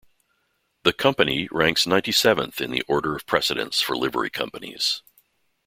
The Company ranks ninety-seventh in the order of precedence for Livery Companies.